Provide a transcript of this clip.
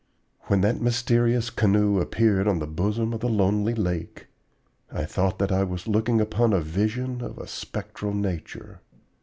When that mysterious canoe appeared on the bosom of the lonely lake, I thought that I was looking upon a vision of a spectral nature.